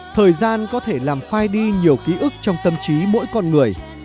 thời gian có thể làm phai đi nhiều ký ức trong tâm trí mỗi con người